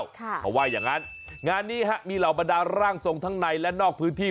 เขาว่าอย่างงั้นงานนี้ฮะมีเหล่าบรรดาร่างทรงทั้งในและนอกพื้นที่